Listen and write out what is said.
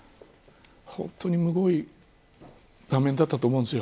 本当に、むごい画面だったと思うんですよ。